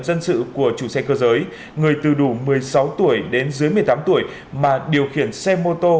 dân sự của chủ xe cơ giới người từ đủ một mươi sáu tuổi đến dưới một mươi tám tuổi mà điều khiển xe mô tô